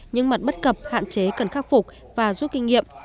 những mặt bất cập hạn chế cần khắc phục và giúp kinh nghiệm